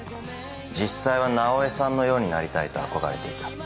実際は直江さんのようになりたいと憧れていた。